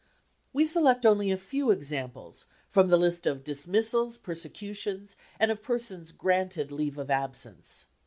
We select only a few examples from the list of dismissals, persecutions and of persons " granted leave of absence."